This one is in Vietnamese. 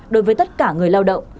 đối với tất cả người lao động